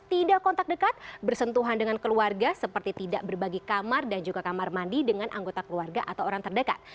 tidak kontak dekat bersentuhan dengan keluarga seperti tidak berbagi kamar dan juga kamar mandi dengan anggota keluarga atau orang terdekat